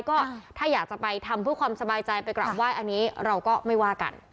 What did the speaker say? ก็ถ้าอยากจะไปทำเพื่อความสบายใจไปกลับไหว้อันนี้เราก็ไม่ว่ากัน